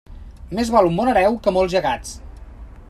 Més val un bon hereu que molts llegats.